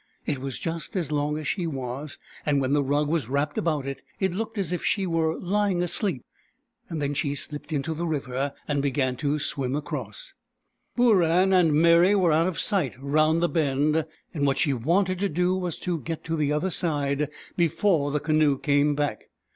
It was just as long as she was, and when the rug was wrapped about it, it looked as if she were lying asleep. Then she slipped into the river, and began to swim across. Booran and Meri were out of sight round the bend, and what she wanted to do was to get to the other side before the canoe came back.